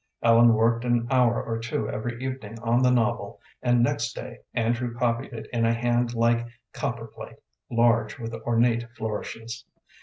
Ellen worked an hour or two every evening on the novel, and next day Andrew copied it in a hand like copperplate large, with ornate flourishes.